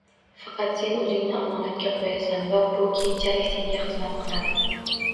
Faqat sen oʻzingni omonatga qoʻyasan va bu keyinchalik senga xizmat qiladi.